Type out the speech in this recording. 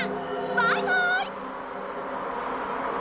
バイバーイ！